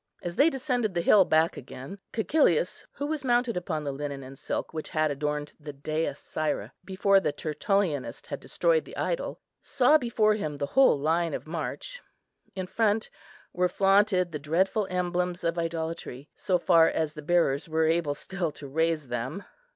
As they descended the hill back again, Cæcilius, who was mounted upon the linen and silk which had adorned the Dea Syra before the Tertullianist had destroyed the idol, saw before him the whole line of march. In front were flaunted the dreadful emblems of idolatry, so far as their bearers were able still to raise them.